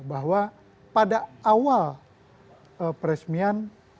bahwa pada awal peresmian